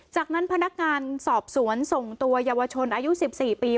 จากนั้นพนักงานสอบสวนส่งตัวเยาวชนอายุ๑๔ปี